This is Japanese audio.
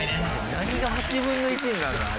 何が８分の１になるの。